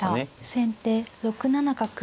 先手６七角。